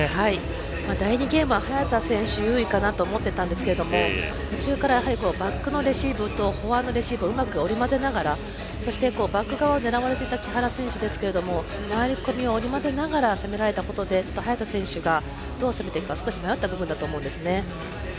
第２ゲームは早田選手、優位かなと思っていたんですが途中からバックのレシーブとフォアのレシーブをうまく織り交ぜながらそしてバック側を狙われていた木原選手でしたが回り込みを織り込みながら攻められたことで早田選手がどう攻めるか迷った部分だと思うんですね。